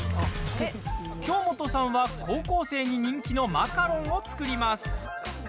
京本さんは、高校生に人気のマカロンを作ります。